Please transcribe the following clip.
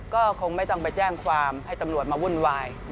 ก็คงไม่ต้องไปแจ้งความให้ตำรวจมาวุ่นวาย